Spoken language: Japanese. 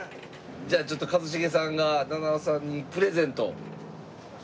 じゃあちょっと一茂さんが菜々緒さんにプレゼント。